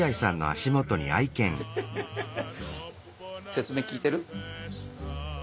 説明聞いてる？